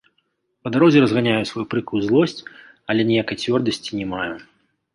Па дарозе разганяю сваю прыкрую злосць, але ніякай цвёрдасці не маю.